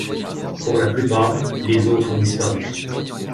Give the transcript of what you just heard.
Pour la plupart, les autres ont disparu.